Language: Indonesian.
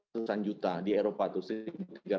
tentusan juta di eropa tuh